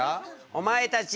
お前たち。